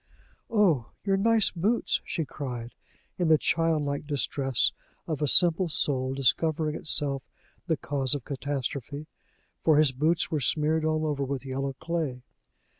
"Oh, your nice boots!" she cried, in the childlike distress of a simple soul discovering itself the cause of catastrophe, for his boots were smeared all over with yellow clay.